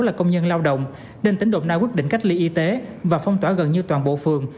là công nhân lao động nên tỉnh đồng nai quyết định cách ly y tế và phong tỏa gần như toàn bộ phường